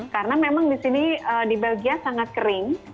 karena memang di sini di belgia sangat kering